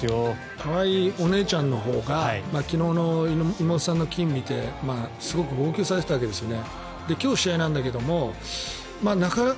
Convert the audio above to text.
川井お姉ちゃんのほうが昨日の妹さんの金を見て号泣されていたわけですよね。